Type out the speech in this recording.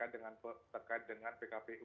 dekat dengan pkpu